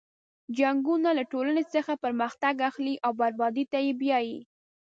جنګونه له ټولنې څخه پرمختګ اخلي او بربادۍ ته یې بیایي.